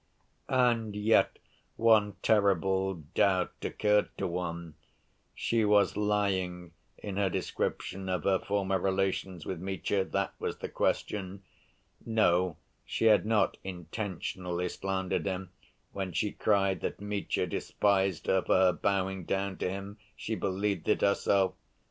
And yet one terrible doubt occurred to one—was she lying in her description of her former relations with Mitya?—that was the question. No, she had not intentionally slandered him when she cried that Mitya despised her for her bowing down to him! She believed it herself.